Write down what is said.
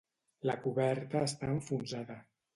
La coberta està enfonsada.